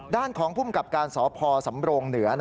ด้านของภูมิกับการสพสำโรงเหนือ